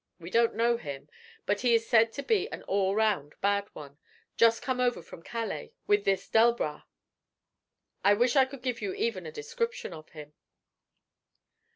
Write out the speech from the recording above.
We don't know him, but he is said to be an all round bad one, just come over from Calais with this Delbras. I wish I could give you even a description of him.'